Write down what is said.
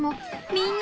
みんな。